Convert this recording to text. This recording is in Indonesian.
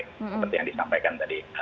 seperti yang disampaikan tadi